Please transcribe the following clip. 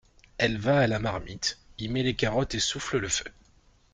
Elle va à la marmite, y met les carottes et souffle le feu.